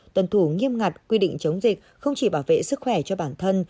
tuân thủ nghiêm ngặt quy định chống dịch không chỉ bảo vệ sức khỏe cho bản thân